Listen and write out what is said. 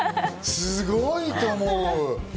すごいと思う。